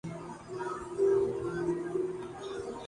تنوشری دتہ نے بگ باس میں شرکت کیلئے جنسی الزامات لگائے